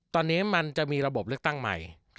ตอนนี้มันจะมีระบบเลือกตั้งใหม่